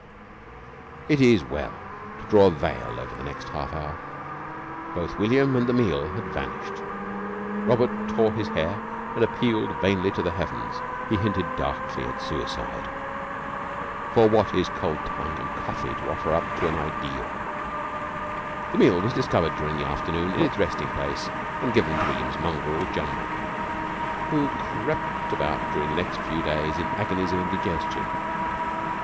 It is well to draw a veil over the next half hour. Both William and the meal had vanished. Robert tore his hair and appealed vainly to the heavens. He hinted darkly at suicide. For what is cold tongue and coffee to offer to an Ideal? The meal was discovered during the afternoon in its resting place and given to William's mongrel, Jumble, who crept about during the next few days in agonies of indigestion.